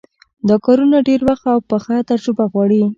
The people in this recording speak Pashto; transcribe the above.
دا کارونه ډېر وخت او پخه تجربه غواړي.